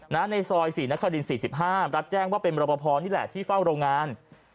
ในซอยศรีนคริน๔๕รับแจ้งว่าเป็นรบพอนี่แหละที่เฝ้าโรงงาน